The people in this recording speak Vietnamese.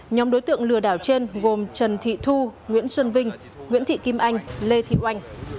nhóm đối tượng lừa đảo trên gồm trần thị thu nguyễn xuân vinh nguyễn thị kim anh lê thị oanh